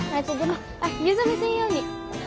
湯冷めせんように。